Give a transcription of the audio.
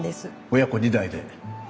親子２代で？